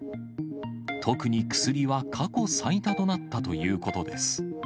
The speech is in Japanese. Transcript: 特に薬は過去最多となったということです。